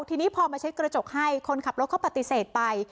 ทีนี้พอมาเช็ดกระจกให้คนขับรถเขาปฏิเสธไป